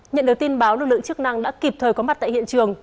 nhận được tin báo lực lượng chức năng đã kịp thời có mặt tại hiện trường